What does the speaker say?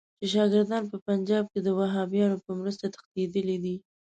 چې شاګردان په پنجاب کې د وهابیانو په مرسته تښتېدلي دي.